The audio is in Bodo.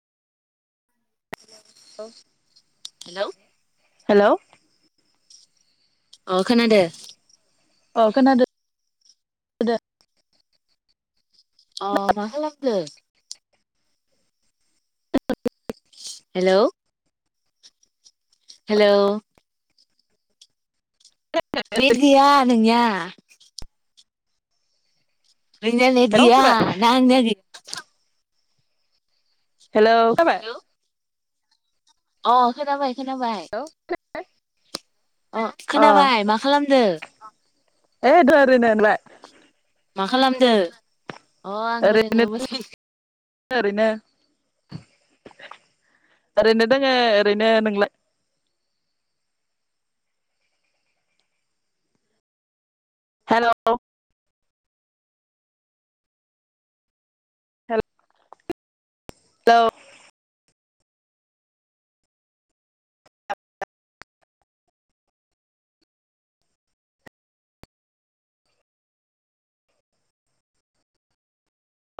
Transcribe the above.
हेलौ हेल' अ खोनादों। औ खोनादोंन दो। अ मा खालामदो? Hello [inaudible] hello. नेथ गैया। नोंनिया। नोंनिया नेथ हेल' गैया खोनाबाय ना आंनिया हेल खोनाबाय? हेलौ अ खोनाबाय खोनाबाय अ खोनाबाय मा खालामदो? [unintelligible] मा खालामदो? अ आंबो दोङो ओरैनो मोसाय ओरैनो ओरैनो दङो ओरैनो नोंला हेलौ हेल हेलौ